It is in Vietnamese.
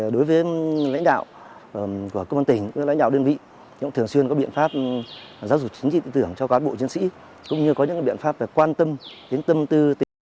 đối với lãnh đạo của công an tỉnh lãnh đạo đơn vị cũng thường xuyên có biện pháp giáo dục chính trị tư tưởng cho cán bộ chiến sĩ cũng như có những biện pháp về quan tâm đến tâm tư